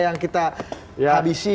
yang kita habisi